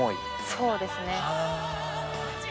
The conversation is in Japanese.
そうですね。